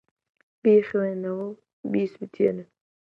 بیخوێنەوە و بیسووتێنە!